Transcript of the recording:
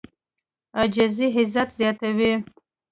عاجزي عزت زیاتوي.